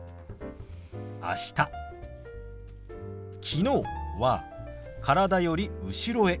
「きのう」は体より後ろへ。